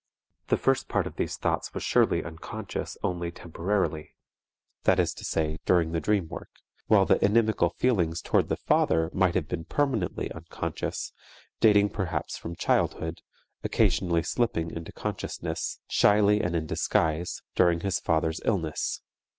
The first part of these thoughts was surely unconscious only temporarily, that is to say, during the dream work, while the inimical feelings toward the father might have been permanently unconscious, dating perhaps from childhood, occasionally slipping into consciousness, shyly and in disguise, during his father's illness.